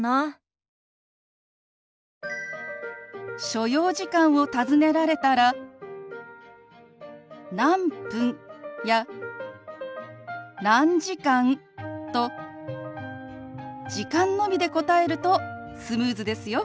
所要時間を尋ねられたら「何分」や「何時間」と時間のみで答えるとスムーズですよ。